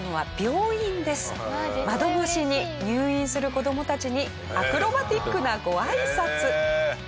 窓越しに入院する子どもたちにアクロバティックなごあいさつ。